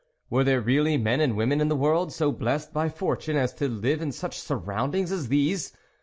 Were there really men and women in the world, so blessed by fortune as to live in such surroundings as these